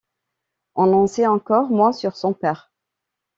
On en sait encore moins sur son père.